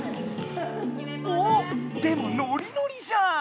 おおっでもノリノリじゃん。